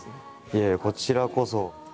いえいえこちらこそ。